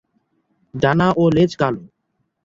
ডানা ও লেজ কালো।